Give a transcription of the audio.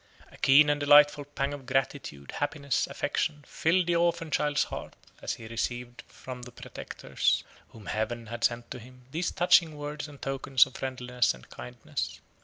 A keen and delightful pang of gratitude, happiness, affection, filled the orphan child's heart, as he received from the protectors, whom heaven had sent to him, these touching words and tokens of friendliness and kindness.